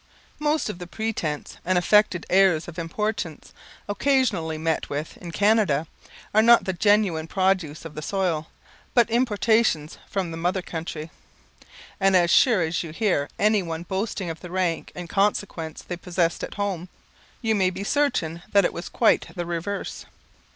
Most of the pretence, and affected airs of importance, occasionally met with in Canada, are not the genuine produce of the soil, but importations from the mother country; and, as sure as you hear any one boasting of the rank and consequence they possessed at home, you may be certain that it was quite the reverse.